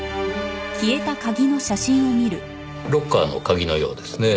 ロッカーの鍵のようですねぇ。